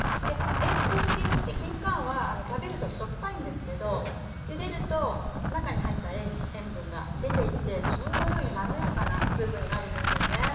で塩水漬けにしてきんかんは食べるとしょっぱいんですけどゆでると中に入った塩分が出ていってちょうど良いまろやかなスープになるんですよね。